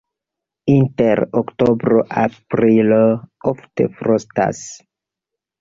Inter oktobro-aprilo ofte frostas.